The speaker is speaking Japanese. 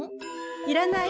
いらない。